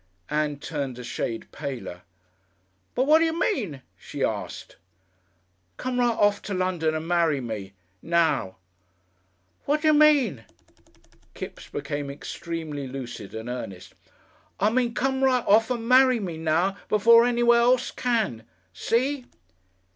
Ann turned a shade paler. "But what d'you mean?" she asked. "Come right off to London and marry me. Now." "What d'you mean?" Kipps became extremely lucid and earnest. "I mean come right off and marry me now before anyone else can. _See?